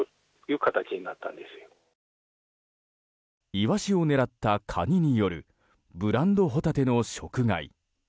イワシを狙ったカニによるブランドホタテの食害。